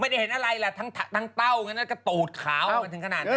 ไม่ได้เห็นอะไรล่ะทั้งเต้าก็ตูดขาวมาถึงขนาดนั้น